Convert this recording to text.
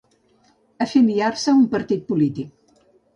Afiliar-se a un partit polític.